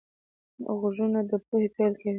غوږونه د پوهې پیل کوي